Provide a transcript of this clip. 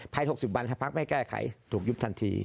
ภาย๖๐บันหากพักไม่แก้ไขถูกยุบทันที